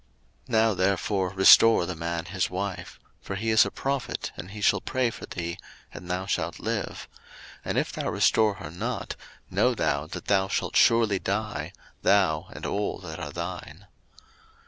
01:020:007 Now therefore restore the man his wife; for he is a prophet, and he shall pray for thee, and thou shalt live: and if thou restore her not, know thou that thou shalt surely die, thou, and all that are thine.